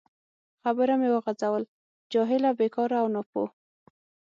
خبره مې وغځول: جاهله، بیکاره او ناپوه.